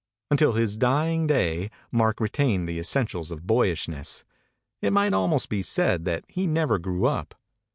Until his dying day Mark retained the essentials of boyishness. It might almost be said that he never grew up.